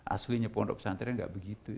aslinya pondok pesantren itu tidak begitu